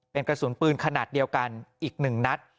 เป็นกระสุนปืนขนาดเดียวกันอีก๑นัด